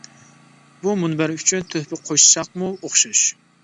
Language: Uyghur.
بۇ مۇنبەر ئۈچۈن تۆھپە قوشساقمۇ ئوخشاش.